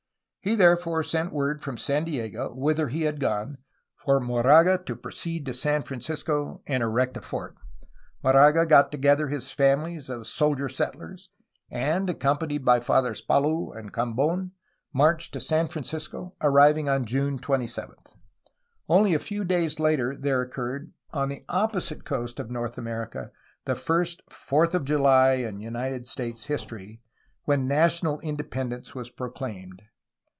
He therefore sent word from San Diego, whither he had gone, for Moraga to proceed to San Francis co and erect a fort. Moraga got together his famihes of soldier settlers, and, accompanied by Fathers Palou and 314 A HISTORY OF CALIFORNIA Camb6n, marched to San Francisco, arriving on June 27. Only a few days later there occurred, on the opposite coast of North America, the first ''Fourth of July'' in United States history, when national independence was proclaimed.